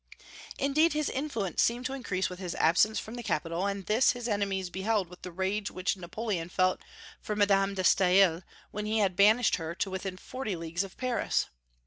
Indeed, his influence seemed to increase with his absence from the capital; and this his enemies beheld with the rage which Napoleon felt for Madame de Staël when he had banished her to within forty leagues of Paris.